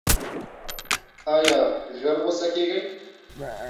ایا ژر غوسه کیږئ؟